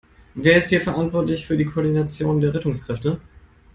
Wer ist hier verantwortlich für die Koordination der Rettungskräfte?